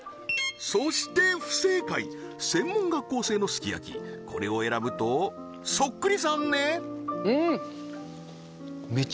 そして不正解専門学校生のすき焼きこれを選ぶとそっくりさんねうん！